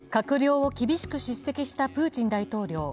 閣僚を厳しく叱責したプーチン大統領。